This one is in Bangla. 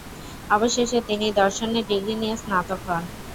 অবশেষে তিনি দর্শনে ডিগ্রি নিয়ে স্নাতক হন।